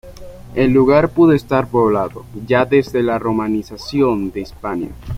El lugar pudo estar poblado ya desde la romanización de Hispania.